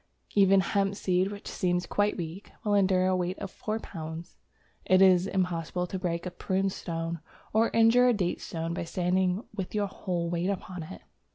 Even hemp seed, which seems quite weak, will endure a weight of four pounds. It is impossible to break a prune stone, or to injure a date stone, by standing with your whole weight upon it.